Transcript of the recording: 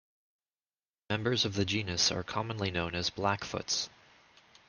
Members of the genus are commonly known as blackfoots.